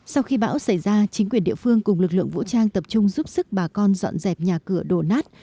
sau khi bão xảy ra chính quyền địa phương cùng lực lượng vũ trang tập trung giúp sức bà con dọn dẹp nhà cửa đổ nát